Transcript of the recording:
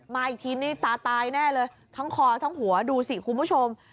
มาอีกทีนี่ตาตายแน่เลยทั้งคอทั้งหัวดูสิคุณผู้ชม